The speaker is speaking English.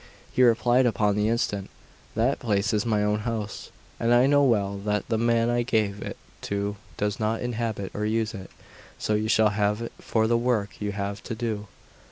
He replied upon the instant: "That place is my own house, and I know well that the man I gave it to does not inhabit or use it. So you shall have it for the work you have to do."